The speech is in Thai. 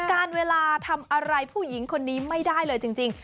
การเวลาทำอะไรผู้หญิงคนนี้ไม่ได้เลยจริง